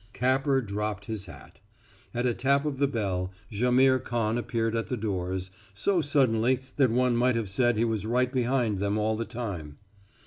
Capper dropped his hat. At a tap of the bell, Jaimihr Khan appeared at the doors, so suddenly that one might have said he was right behind them all the time.